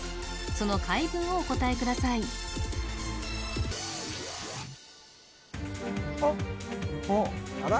その回文をお答えくださいあら？